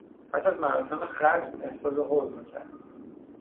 پس از مراسم ختم احساس حزن کرد.